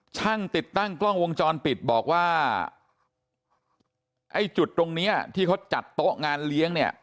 ช่างติดตั้งกล้องวงจรปิดบอกว่าไอ้จุดตรงเนี้ยที่เขาจัดโต๊ะงานเลี้ยงเนี่ย